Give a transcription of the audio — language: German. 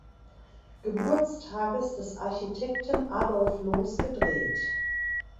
Geburtstages des Architekten Adolf Loos gedreht.